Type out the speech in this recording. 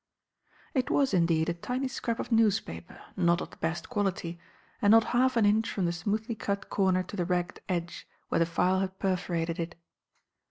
It was, indeed, a tiny scrap of newspaper, not of the best quality, and not half an inch from the smoothly cut corner to the ragged edge, where the file had perforated it.